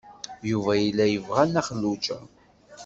Yuba yella yebɣa Nna Xelluǧa.